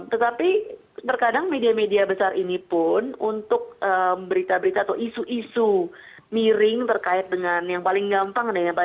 tetapi terkadang media media besar ini pun untuk berita berita atau isu isu miring terkait dengan yang paling gampang